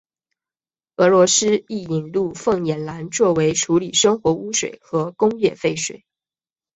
俄罗斯亦引入凤眼蓝作为处理生活污水和工业废水。